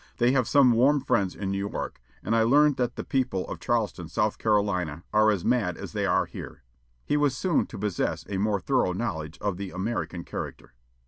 They have some warm friends in New York, and I learn that the people of Charleston, South Carolina, are as mad as they are here." He was soon to possess a more thorough knowledge of the American character.